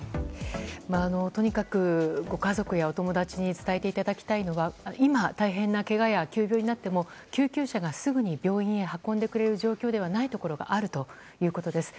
とにかくご家族やお友達に伝えていただきたいのは今、大変なけがや急病になっても救急車がすぐに病院に運んでくれる状況ではないところがあるということです。